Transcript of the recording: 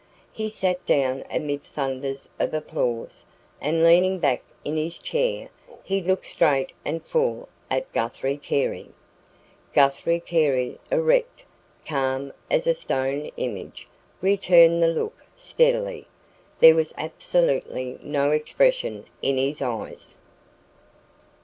He sat down amid thunders of applause; and leaning back in his chair, he looked straight and full at Guthrie Carey. Guthrie Carey, erect, calm as a stone image, returned the look steadily. There was absolutely no expression in his eyes.